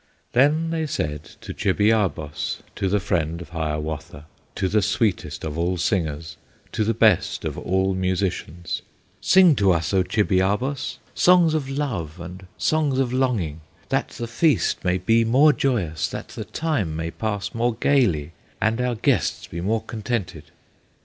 Then they said to Chibiabos, To the friend of Hiawatha, To the sweetest of all singers, To the best of all musicians, "Sing to us, O Chibiabos! Songs of love and songs of longing, That the feast may be more joyous, That the time may pass more gayly, And our guests be more contented!"